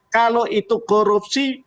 kalau itu korupsi